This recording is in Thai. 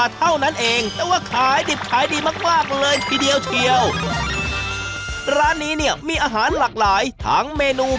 ร้านข้าวบ้านแม่ร้านลับที่สายซีฟู้ดต้องไม่พลาด